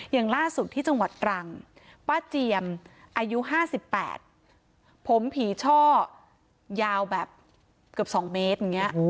อย่างล่าสุดที่จังหวัดตรังป้าเจียมอายุ๕๘ผมผีช่อยาวแบบเกือบ๒เมตรอย่างนี้